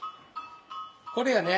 これやね？